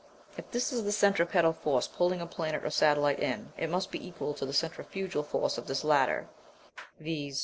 If this is the centripetal force pulling a planet or satellite in, it must be equal to the centrifugal force of this latter, viz.